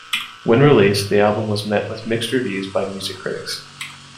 When released, the album was met with mixed reviews by music critics.